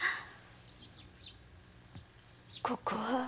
ここは！？